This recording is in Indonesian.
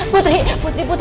putri putri bangun